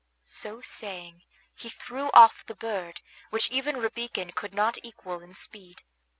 So saying, he threw off the bird, which even Rabican could not equal in speed.